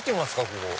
ここ。